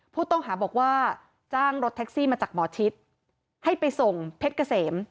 ผู้ต้องหาบอกว่าจ้างรถแท็กซี่มาจากหมอชิดให้ไปส่งเพชรเกษม